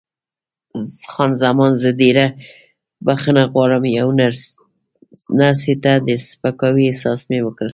خان زمان: زه ډېره بښنه غواړم، یوې نرسې ته د سپکاوي احساس مې وکړ.